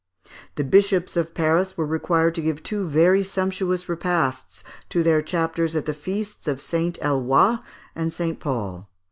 The Bishops of Paris were required to give two very sumptuous repasts to their chapters at the feasts of St. Eloi and St. Paul.